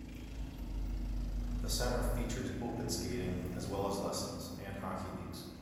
The center features open skating, as well as lessons and hockey leagues.